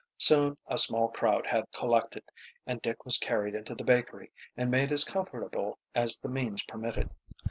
Soon a small crowd had collected, and Dick was carried into the bakery and made as comfortable as the means permitted.